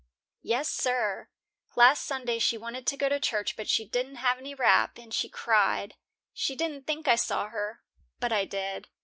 "Yes, sir. Last Sunday she wanted to go to church, but she didn't have any wrap, and she cried. She didn't think I saw her, but I did.